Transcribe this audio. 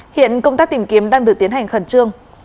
hiện công tác tìm kiếm đang được tiến hành khẩn trương